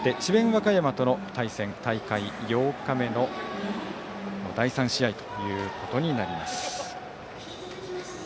和歌山との対戦大会８日目の第３試合となります。